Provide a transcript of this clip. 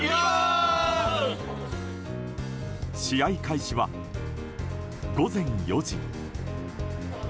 試合開始は、午前４時。